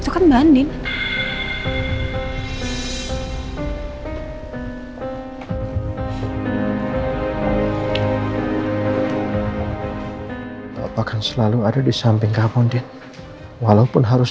kalau tidak mudah jadi orang tersebut juga policemenames ba axes